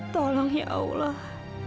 tolong ya allah